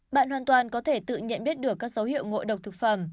bạn hoàn toàn có thể tự nhận biết được các dấu hiệu ngộ độc thực phẩm